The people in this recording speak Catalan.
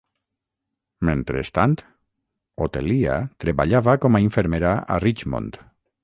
Mentrestant, Otelia treballava com a infermera a Richmond.